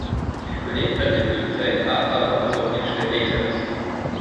Il connaît une période de prêt à avant de revenir chez les Hatters.